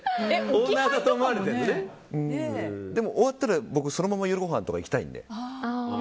終わったら僕、そのまま夜ごはんとか行きたいので。